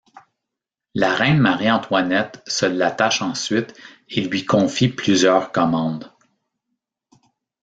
La reine Marie-Antoinette se l'attache ensuite et lui confie plusieurs commandes.